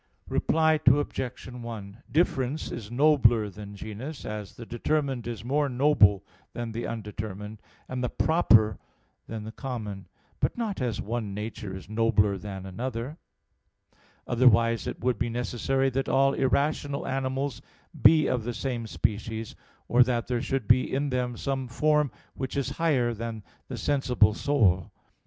Reply Obj. 1: "Difference" is nobler than genus, as the determined is more noble than the undetermined, and the proper than the common, but not as one nature is nobler than another; otherwise it would be necessary that all irrational animals be of the same species; or that there should be in them some form which is higher than the sensible soul.